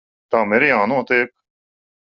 Tam ir jānotiek.